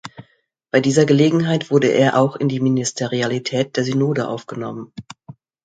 Bei dieser Gelegenheit wurde er auch in die Ministerialität der Synode aufgenommen.